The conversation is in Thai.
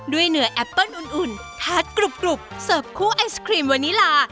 เหนือแอปเปิ้ลอุ่นทาสกรุบเสิร์ฟคู่ไอศครีมวานิลา